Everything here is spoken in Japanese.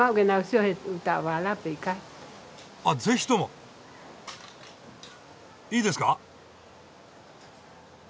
あぜひとも！いいですか？